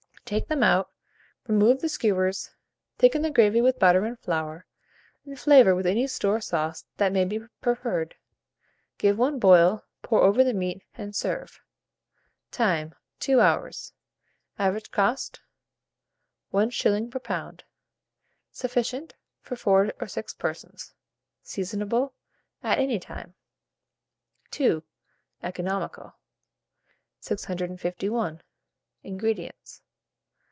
Take them out, remove the skewers, thicken the gravy with butter and flour, and flavour with any store sauce that may be preferred. Give one boil, pour over the meat, and serve. Time. 2 hours. Average cost, 1s. per pound. Sufficient for 4 or 6 persons. Seasonable at any time. II. (Economical.) 651. INGREDIENTS.